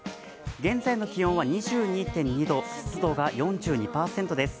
現在の気温は２２．２度、湿度が４２％です。